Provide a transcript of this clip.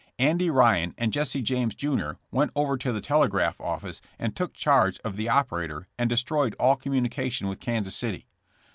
*'Andy Ryan and Jesse James, jr., went over to the telegraph office and took charge of the operator and destroyed all communication with Kansas City.